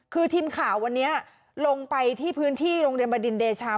คือทีมข่าววันนี้ลงไปที่พื้นที่โรงเรียนบดินเดชา